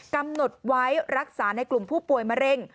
กำหนดไว้รักษาในกลุ่มผู้ป่วยมะเร็ง